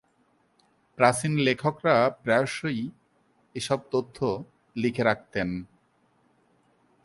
প্রাচীন লেখকরা প্রায়শই এসব তথ্য লিখে রাখতেন।